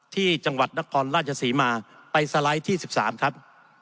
ที่จังหวัดนครราชศรีมาไปสไลด์ที่๑๓ครับ